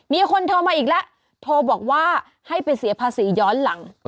มีคนโทรมาอีกแล้วโทรบอกว่าให้ไปเสียภาษีย้อนหลัง